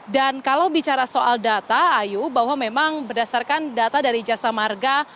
dan kalau bicara soal data ayo bahwa memang berdasarkan data dari jasa marga